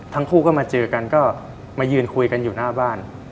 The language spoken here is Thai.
ทั้งคู่ก็มาเจอกันก็มายืนคุยกันอยู่หน้าบ้าน